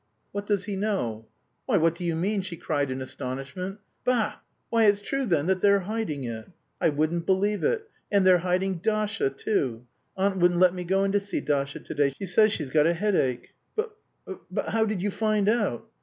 "What does he know?" "Why, what do you mean?" she cried in astonishment. "Bah, why it's true then that they're hiding it! I wouldn't believe it! And they're hiding Dasha, too. Aunt wouldn't let me go in to see Dasha to day. She says she's got a headache." "But... but how did you find out?"